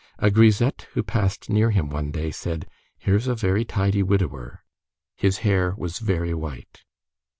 A grisette who passed near him one day, said: "Here's a very tidy widower." His hair was very white.